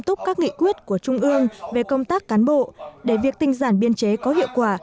tốt các nghị quyết của trung ương về công tác cán bộ để việc tinh giản biên chế có hiệu quả